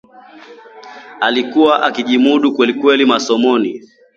Alikuwa akijimudu kwelikweli masomoni